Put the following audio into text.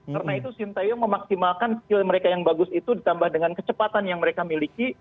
karena itu chin taeyong memaksimalkan skill mereka yang bagus itu ditambah dengan kecepatan yang mereka miliki